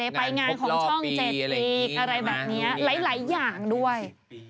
อะไรแบบนี้หลายอย่างด้วย